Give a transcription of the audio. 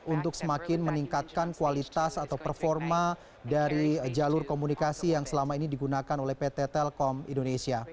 untuk semakin meningkatkan kualitas atau performa dari jalur komunikasi yang selama ini digunakan oleh pt telkom indonesia